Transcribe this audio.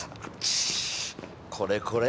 これこれ。